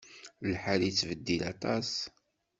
Lḥal yettbeddil aṭas.